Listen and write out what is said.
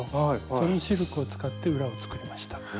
そのシルクを使って裏を作りました。